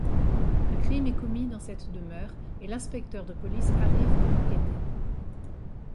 Un crime est commis dans cette demeure et l'inspecteur de police arrive pour enquêter.